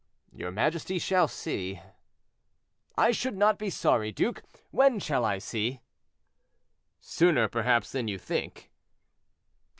"Your majesty shall see." "I should not be sorry, duke; when shall I see?" "Sooner perhaps than you think."